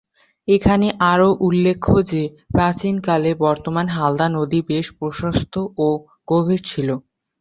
এখানে আরো উল্লেখ্য যে, প্রাচীন কালে বর্তমান হালদা নদী বেশ প্রশস্ত ও গভীর ছিল।